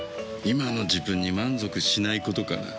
今の自分に満足しないことかな。